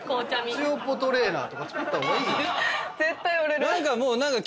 つよぽトレーナーとか作った方がいい？何か。